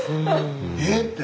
えっ⁉って。